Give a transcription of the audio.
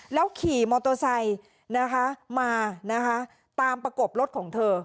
แล้วขี่มอเตอร์ไซค์นะคะมานะคะตามประกบรถของเธอ